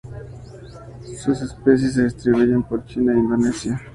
Sus especies se distribuyen por China e Indochina.